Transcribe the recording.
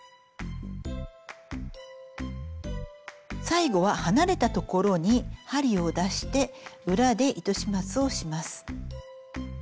最後は離れた所に針を出して裏で糸始末をします。